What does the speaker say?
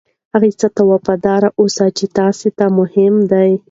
هغه څه ته وفادار اوسئ چې تاسې ته مهم دي.